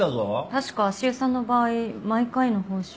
確か足湯さんの場合毎回の報酬は。